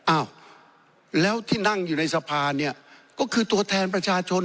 อ้าวแล้วที่นั่งอยู่ในสภาเนี่ยก็คือตัวแทนประชาชน